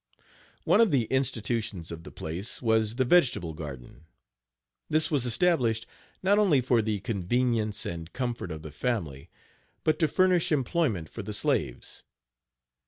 One of the institutions of the place was the vegetable garden. This was established not only for the convenience and comfort of the family, but to furnish employment for the slaves.